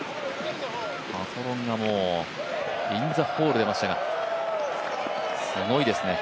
パトロンがインザホールでましたが、すごいですね。